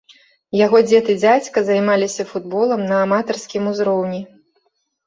Яго дзед і дзядзька займаліся футболам на аматарскім узроўні.